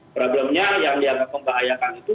problemnya yang dianggap membahayakan itu